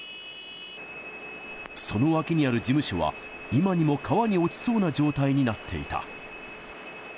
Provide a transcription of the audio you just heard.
その脇にある事務所は、今にも川に落ちそうな状態になっていた。